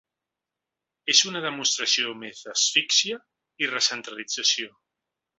És una demostració més d’asfixia i recentralització